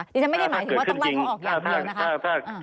ดิฉันไม่ได้หมายถึงว่าต้องไล่เขาออกอย่างเดียวนะคะ